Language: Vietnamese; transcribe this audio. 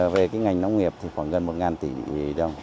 về cái ngành nông nghiệp thì khoảng gần một tỷ đồng